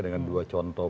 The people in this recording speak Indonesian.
dengan dua contoh